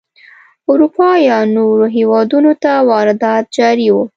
اروپا یا نورو هېوادونو ته واردات جاري وو.